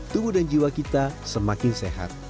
tunggu dan jiwa kita semakin sehat